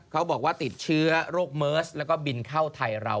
เขาบอกว่าติดเชื้อโรคเมิร์สแล้วก็บินเข้าไทยเรา